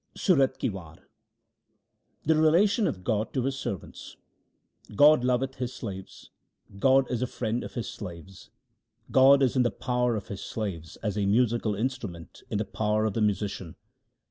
Sorath ki War The relation of God to His servants :— God loveth His slaves ; God is a friend of His slaves. God is in the power of His slaves as a musical instrument in the power of the musician.